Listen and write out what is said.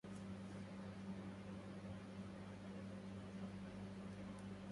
يعرفنا توم جيدا